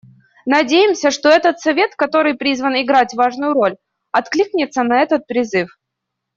Надеемся, что этот Совет, который призван играть важную роль, откликнется на этот призыв.